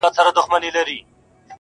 لكه ژړا,